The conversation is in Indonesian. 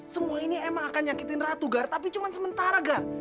semua ini emang akan nyakitin ratu guard tapi cuma sementara gar